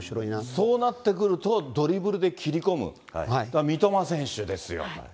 そうなってくると、ドリブルで切り込む、三笘選手ですよ。